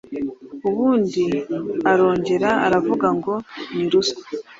ubundi arongera aravuga ngo ni ruswa